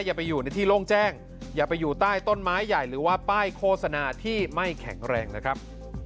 อย่าไปอยู่ในที่โล่งแจ้งอย่าไปอยู่ใต้ต้นไม้ใหญ่หรือว่าป้ายโฆษณาที่ไม่แข็งแรงนะครับ